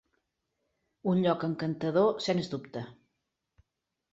Un lloc encantador, sens dubte.